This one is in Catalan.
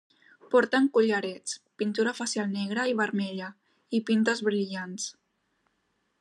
Porten collarets, pintura facial negra i vermella, i pintes brillants.